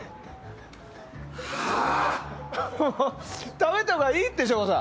食べたほうがいいって省吾さん。